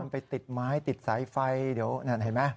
ไปติดไม้ติดสายไฟเดี๋ยวนั่นเห็นไหม